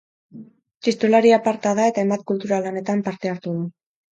Txistulari aparta da eta hainbat kultura lanetan parte hartu du.